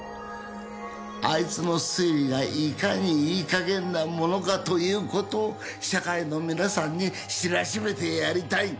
あいつの推理がいかにいい加減なものかということを社会の皆さんに知らしめてやりたい。